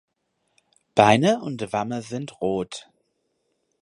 Beine und Wamme sind rot.